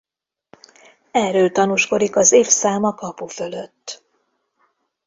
Erről tanúskodik az évszám a kapu fölött.